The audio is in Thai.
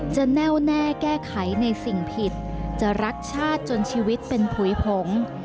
แน่วแน่แก้ไขในสิ่งผิดจะรักชาติจนชีวิตเป็นผุยผง